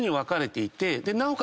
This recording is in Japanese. なおかつ